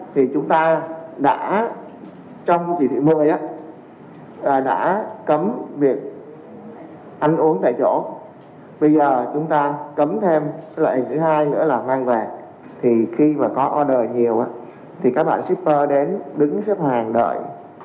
thì các bạn shipper đến đứng sắp hàng đợi